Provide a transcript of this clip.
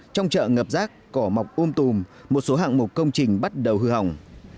trong chợ ngập rác cỏ mọc ôm tùm một số hạng mục công trình bắt đầu hư hỏng